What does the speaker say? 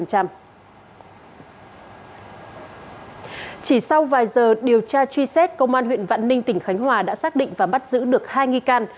chỉ sau vài giờ điều tra truy xét công an huyện vạn ninh tỉnh khánh hòa đã xác định và bắt giữ được hai nghi can